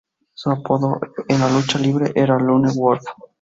Su apodo en la lucha libre era "Lone Wolf".